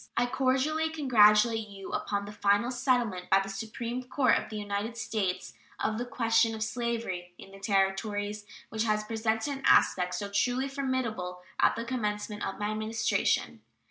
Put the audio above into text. I cordially congratulate you upon the final settlement by the Supreme Court of the United States of the question of slavery in the Territories, which had presented an aspect so truly formidable at the commencement of my Administration.